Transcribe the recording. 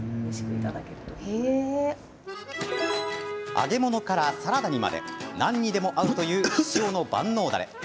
揚げ物からサラダにまで何にでも合うというひしおの万能だれ。